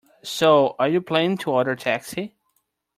So, are you planning to order a taxi?